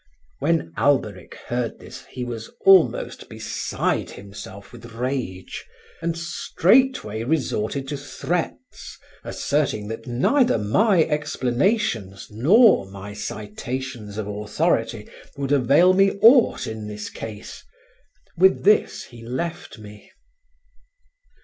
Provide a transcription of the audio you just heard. When Alberic heard this he was almost beside himself with rage, and straightway resorted to threats, asserting that neither my explanations nor my citations of authority would avail me aught in this case. With this he left me.